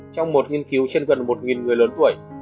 trong một nghiên cứu trên gần một người lớn tuổi